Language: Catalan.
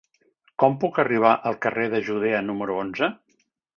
Com puc arribar al carrer de Judea número onze?